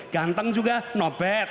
ganteng juga not bad